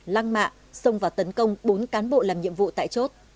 lăng mạ xông vào tấn công bốn cán bộ làm nhiệm vụ tại chốt